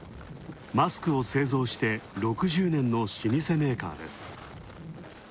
マスクを製造して６０年の老舗メーカーです。